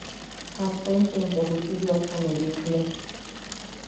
¿Jaksa intempo juchi jiʼapsame bitne?